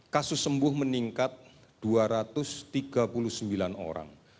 kasus sembuh meningkat dua ratus tiga puluh sembilan orang